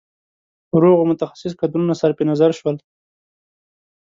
روغو متخصص کدرونه صرف نظر شول.